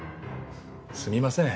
すみません